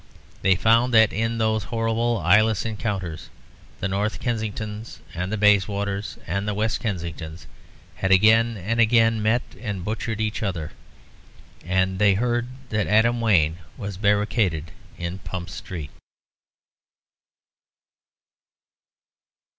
They found that in those horrible eyeless encounters, the North Kensingtons and the Bayswaters and the West Kensingtons had again and again met and butchered each other, and they heard that Adam Wayne was barricaded in Pump Street.